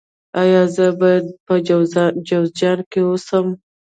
ایا زه باید په جوزجان کې اوسم؟